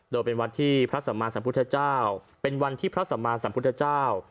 โดยเป็นวัดที่พระสามาสัมพุทธเจ้า